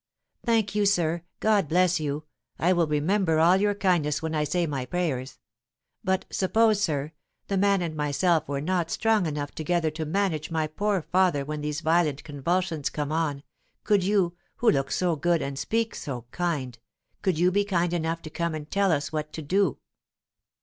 "Thank you, sir; God bless you! I will remember all your kindness when I say my prayers. But suppose, sir, the man and myself were not strong enough together to manage my poor father when these violent convulsions come on, could you, who look so good, and speak so kind could you be kind enough to come and tell us what to do?"